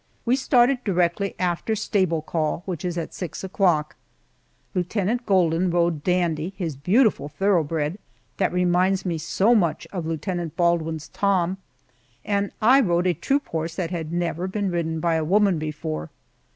We started directly after stable call, which is at six o'clock. Lieutenant Golden rode Dandy, his beautiful thoroughbred, that reminds me so much of Lieutenant Baldwin's Tom, and I rode a troop horse that had never been ridden by a woman before.